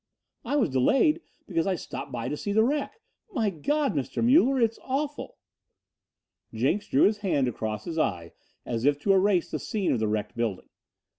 "I was delayed because I stopped by to see the wreck. My God, Mr. Muller, it is awful." Jenks drew his hand across his eye as if to erase the scene of the wrecked building.